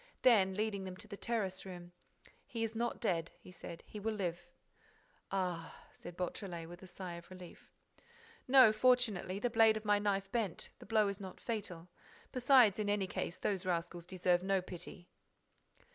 Then, leading them to the terrace room: "He is not dead," he said. "He will live." "Ah!" said Beautrelet, with a sigh of relief. "No, fortunately, the blade of my knife bent: the blow is not fatal. Besides, in any case, those rascals deserve no pity."